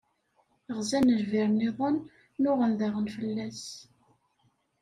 Ɣzen lbir-nniḍen, nnuɣen daɣen fell-as.